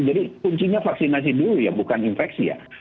jadi kuncinya vaksinasi dulu ya bukan infeksi ya